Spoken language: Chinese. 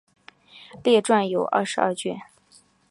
列传有二十二卷。